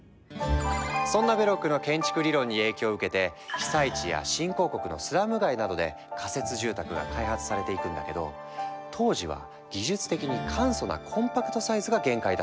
そんなベロックの建築理論に影響を受けて被災地や新興国のスラム街などで仮設住宅が開発されていくんだけど当時は技術的に簡素なコンパクトサイズが限界だった。